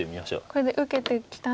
これで受けてきたら。